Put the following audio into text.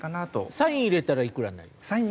サイン入れたらいくらになりますか？